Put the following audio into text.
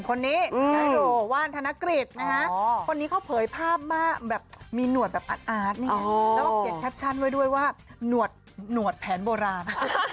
ใครอารมณ์คมไขนะคุณผู้ชมนะครับ